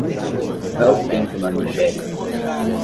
Qual é o tempo na Nigéria?